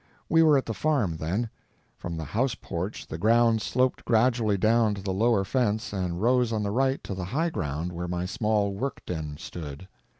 We were at the farm then. From the house porch the grounds sloped gradually down to the lower fence and rose on the right to the high ground where my small work den stood.